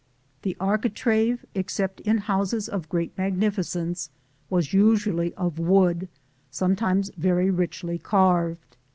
The architrave, except in houses of great magnificence, was usually of wood, sometimes very richly carved.